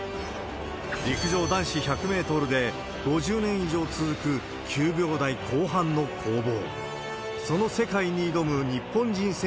陸上男子１００メートルで５０年以上続く９秒台後半の攻防。